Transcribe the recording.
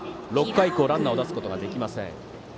６回以降ランナーを出すことができません。